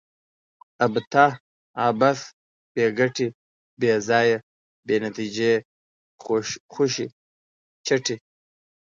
ابته ؛ عبث، بې ګټي، بې ځایه ، بې نتیجې، خوشي چټي